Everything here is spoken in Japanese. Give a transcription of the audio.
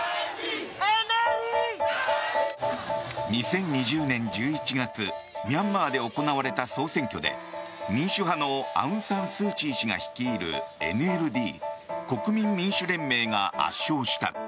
２０２０年１１月ミャンマーで行われた総選挙で民主派のアウン・サン・スー・チー氏が率いるＮＬＤ・国民民主連盟が圧勝した。